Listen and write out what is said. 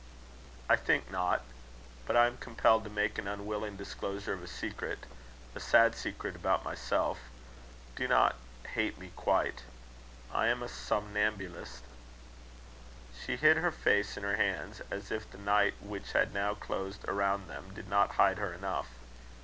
"I think not. But I am compelled to make an unwilling disclosure of a secret a sad secret about myself. Do not hate me quite I am a somnambulist." She hid her face in her hands, as if the night which had now closed around them did not hide her enough.